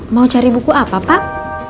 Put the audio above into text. mau cari buku apa pak